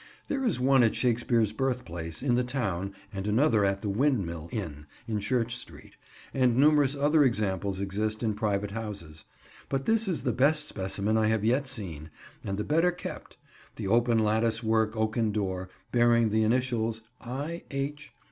There is one at Shakespeare's Birthplace, in the town, and another at the "Windmill" inn, in Church Street, and numerous other examples exist in private houses; but this is the best specimen I have yet seen, and the better kept; the open lattice work oaken door, bearing the initials "I. H.